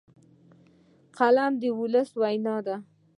قلم د ولس ویاند دی